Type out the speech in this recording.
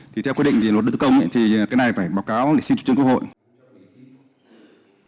thì theo quyết định về luật tự công thì cái này phải báo cáo để xin chủ trương quốc hội